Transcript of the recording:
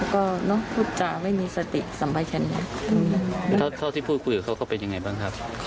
ก็เนอะพูดจาไม่มีสติสำหรับฉันเนี่ยอืมเพราะที่พูดพูดเขาก็เป็นยังไงบ้างครับ